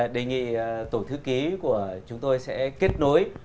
đề nghị tổng thư ký của chúng tôi sẽ kết nối